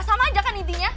sama aja kan intinya